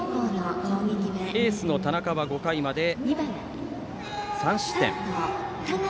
エースの田中は５回まで３失点。